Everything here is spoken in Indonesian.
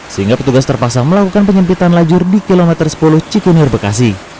sehingga petugas terpasang melakukan penyempitan lajur di kilometer sepuluh cikunir bekasi